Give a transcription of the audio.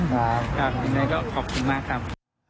อย่างไรก็ขอบคุณมากครับ